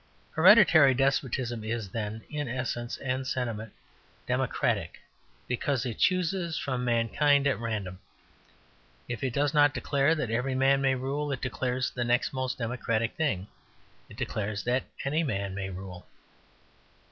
Hereditary despotism is, then, in essence and sentiment democratic because it chooses from mankind at random. If it does not declare that every man may rule, it declares the next most democratic thing; it declares that any man may rule.